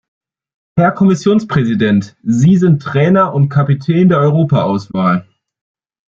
Herr Kommissionspräsident, Sie sind Trainer und Kapitän der Europa-Auswahl.